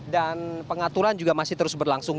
pengaturan juga masih terus berlangsung